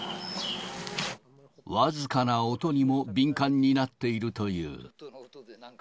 僅かな音にも敏感になっているという。